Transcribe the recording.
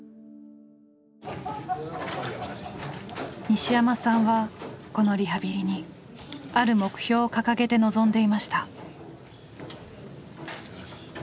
西山さんはこのリハビリにある目標を掲げて臨んでいました。